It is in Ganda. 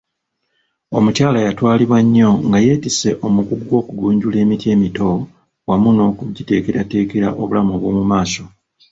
Omukyala yatwalibwa nnyo nga eyeetisse omugugu gw’okugunjula emiti emito wamu n’okugiteekerateekera obulamu obw’omu maaso.